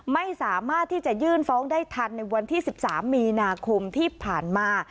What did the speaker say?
ไม่สามารถที่จะยื่นฟ้องได้ทันในวันที่๑๓มีนาคมที่ผ่านมา